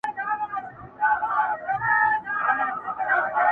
په ککړو په مستیو په نارو سوه.